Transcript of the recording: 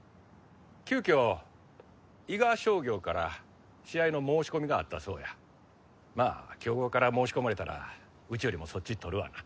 急きょ伊賀商業から試合の申し込みがあったそうやまあ強豪から申し込まれたらうちよりもそっち取るわな